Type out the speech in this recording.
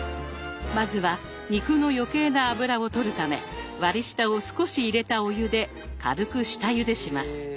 まずは肉の余計な脂を取るため割り下を少し入れたお湯で軽く下ゆでします。